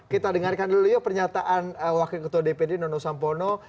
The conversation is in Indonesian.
kita dengarkan dulu yuk pernyataan wakil ketua dpd nono sampono